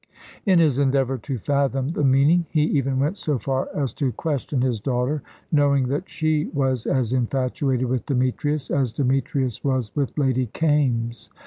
In his endeavour to fathom the meaning, he even went so far as to question his daughter, knowing that she was as infatuated with Demetrius as Demetrius was with Lady Kaimes.